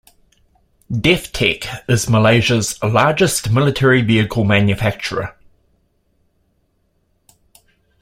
DefTech is Malaysia's largest military vehicle manufacturer.